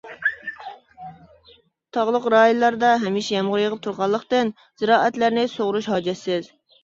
تاغلىق رايونلاردا ھەمىشە يامغۇر يېغىپ تۇرغانلىقتىن، زىرائەتلەرنى سۇغۇرۇش ھاجەتسىز.